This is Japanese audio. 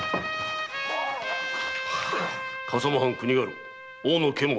笠間藩国家老・大野監物。